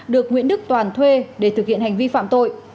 được nguyễn đức toàn thuê để thực hiện hành vi phạm tội